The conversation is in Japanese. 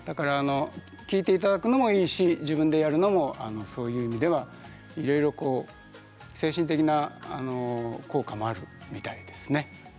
聴いていただくのもいいし自分でやるのもそういう意味ではいろいろ精神的な効果もあるみたいですね。